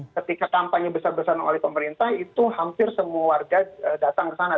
ketika kampanye besar besaran oleh pemerintah itu hampir semua warga datang ke sana